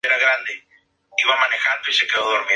Sin embargo, crea un autoritarismo competitivo.